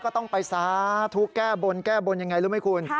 ก็ต้องไปสาธุแก้บนแก้บนยังไงรู้ไหมคุณ